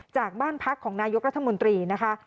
จากบ้านพักของนายกรัฐมนตรีนะคะ